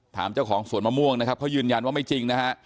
ถามเจ้าของสวนมะม่วงนะครับเขายืนยันว่าไม่จริงนะฮะ